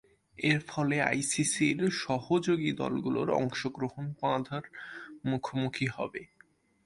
এরফলে আইসিসি’র সহযোগী দলগুলোর অংশগ্রহণ বাঁধার মুখোমুখি হবে।